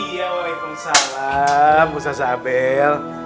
waalaikumsalam ustaz abel